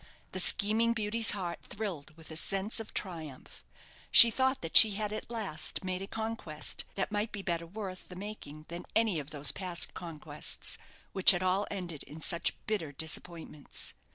The scheming beauty's heart thrilled with a sense of triumph. She thought that she had at last made a conquest that might be better worth the making than any of those past conquests, which had all ended in such bitter disappointments.